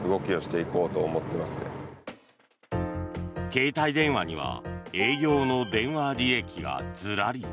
携帯電話には営業の電話履歴がずらり。